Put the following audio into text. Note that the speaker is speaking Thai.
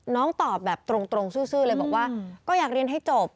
ตอบแบบตรงซื่อเลยบอกว่าก็อยากเรียนให้จบ